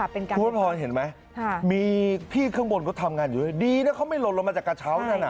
พี่พ่อพรเห็นไหมมีพี่ข้างบนก็ทำงานอยู่ดีแล้วเขาไม่ลดลงมาจากกระเช้านั่น